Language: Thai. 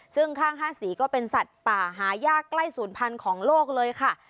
ซึ่งข้าง๕สีก็เป็นสัตว์ป่าหายากใกล้ศูนย์พันธุ์ของโลกเลยค่ะ